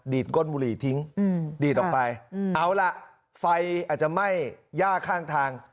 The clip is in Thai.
ก้นบุหรี่ทิ้งดีดออกไปเอาล่ะไฟอาจจะไหม้ย่าข้างทาง